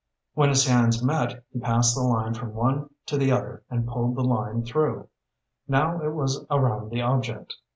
When his hands met, he passed the line from one to the other and pulled the line through. Now it was around the object.